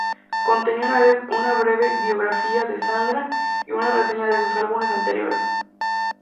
Contenía una breve biografía de Sandra y una reseña de sus álbumes anteriores.